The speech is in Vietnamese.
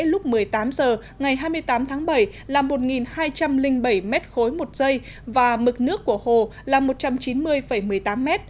lúc một mươi tám h ngày hai mươi tám tháng bảy là một hai trăm linh bảy m ba một giây và mực nước của hồ là một trăm chín mươi một mươi tám m